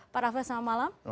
pak raflej selamat malam